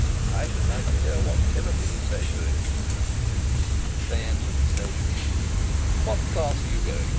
I should like to hear what Timothy would say to it." They entered the station. "What class are you going?